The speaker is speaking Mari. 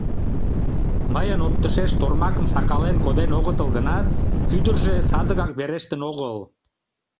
Мыйын оптышеш тормакым сакален коден огытыл гынат, кӱдыржӧ садыгак верештын огыл.